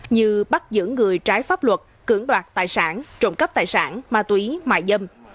như bắt giữ người trái pháp luật cưỡng đoạt tài sản trộm cắp tài sản ma túy mại dâm